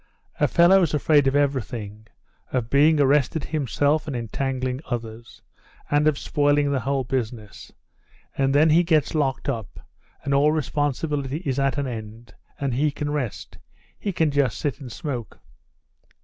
"A fellow's afraid of everything; of being arrested himself and entangling others, and of spoiling the whole business, and then he gets locked up, and all responsibility is at an end, and he can rest; he can just sit and smoke."